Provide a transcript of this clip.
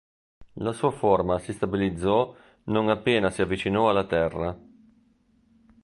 La sua forma si stabilizzò non appena si avvicinò alla Terra.